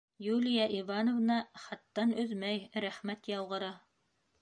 Юлия Ивановна хаттан өҙмәй, рәхмәт яуғыры.